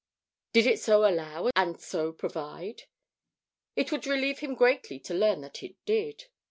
Did it so allow and so provide? It would relieve him greatly to learn that it did.